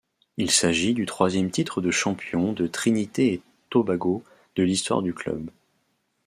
Il s’agit du troisième titre de champion de Trinité-et-Tobago de l'histoire du club.